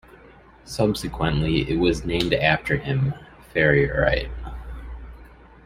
Subsequently, it was named after him - Ferrierite.